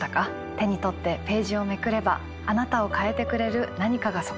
手に取ってページをめくればあなたを変えてくれる何かがそこにあるかもしれません。